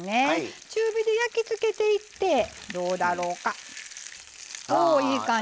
中火で焼きつけていってどうだろうかおー、いい感じ。